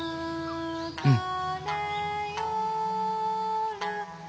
うん。